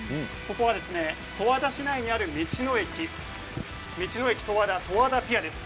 ここは十和田市内にある道の駅道の駅とわだとわだぴあです。